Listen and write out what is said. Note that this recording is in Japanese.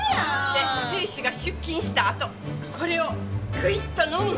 で亭主が出勤したあとこれをグイッと飲む！